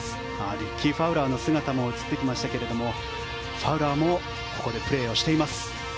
リッキー・ファウラーの姿も映ってきましたがファウラーもここでプレーをしています。